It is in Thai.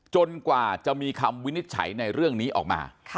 กว่าจะมีคำวินิจฉัยในเรื่องนี้ออกมา